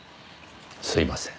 すいません。